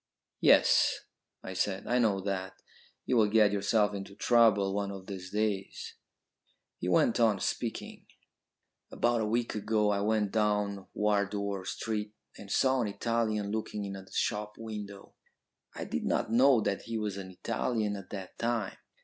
"Yes," I said, "I know that. You will get yourself into trouble one of these days." He went on speaking. "About a week ago I went down Wardour Street and saw an Italian looking in at a shop window. I did not know that he was an Italian at the time.